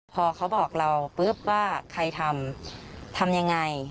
พอเขาบอกเราปุ๊บว่าใครทำทำยังไง